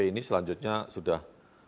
ini selanjutnya sudah